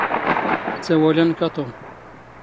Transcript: ⵜⴰⵡⴰⵍⴰ ⵏⵏⴽ ⴰ ⵟⵓⵎ.